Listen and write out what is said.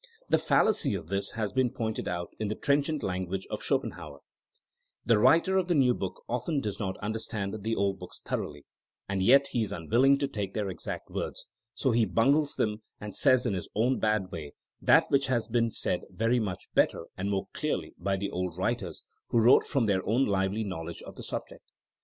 The fallacy of this has been pointed out in the trenchant language of Schopenhauer : The writer of the new book often does not understand the old books thoroughly, and yet he is unwilling to take their exact words ; so he bimgles them and says in his own bad way that which has been said very much better and more clearly by the old writers, who wrote from their own lively knowledge of the subject.